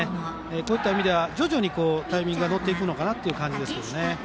こういった意味では徐々にタイミングをとっていくのかなという感じです。